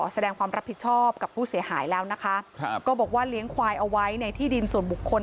แสดงความรับผิดชอบกับผู้เสียหายแล้วนะคะครับก็บอกว่าเลี้ยงควายเอาไว้ในที่ดินส่วนบุคคล